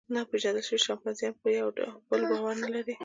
ناپېژندل شوي شامپانزیان پر یوه بل باور نهلري.